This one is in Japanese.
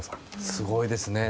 すごいですね。